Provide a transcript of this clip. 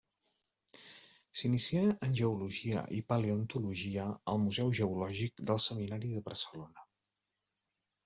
S'inicià en geologia i paleontologia al Museu Geològic del Seminari de Barcelona.